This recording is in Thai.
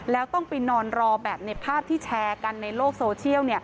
แล้วต้องไปนอนรอแบบในภาพที่แชร์กันในโลกโซเชียล